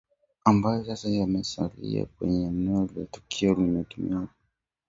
ambayo sasa yamesalia kwenye eneo la tukio na ilitumainiwa kuwa malori zaidi yangeondolewa baadaye